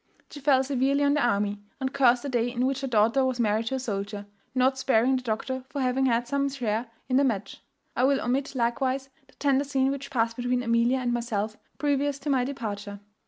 She fell severely on the army, and cursed the day in which her daughter was married to a soldier, not sparing the doctor for having had some share in the match. I will omit, likewise, the tender scene which past between Amelia and myself previous to my departure."